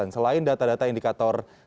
selain data data indikator